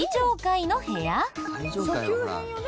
初級編よね？